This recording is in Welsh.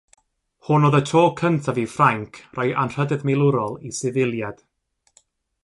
Hwn oedd y tro cyntaf i Ffrainc roi anrhydedd milwrol i sifiliad.